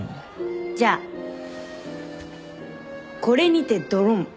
じゃあこれにてドロン。